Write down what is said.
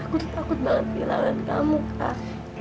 aku takut banget kehilangan kamu kak